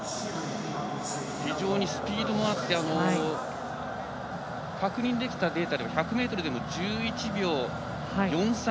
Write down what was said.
非常にスピードもあって確認できたデータでは１００ｍでも１１秒４３。